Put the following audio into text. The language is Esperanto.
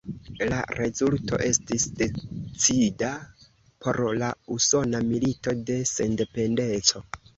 La rezulto estis decida por la Usona Milito de Sendependeco.